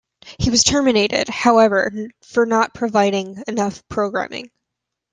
He was terminated, however, for not providing enough programming.